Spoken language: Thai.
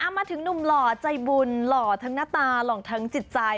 มาถึงหนุ่มหล่อใจบุญหล่อทั้งหน้าตาหล่อทั้งจิตใจ